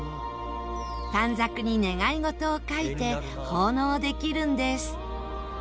短冊に願い事を書いて奉納できるんです。